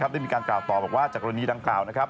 ได้มีการกล่าวต่อบอกว่าจากกรณีดังกล่าวนะครับ